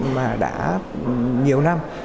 mà đã nhiều năm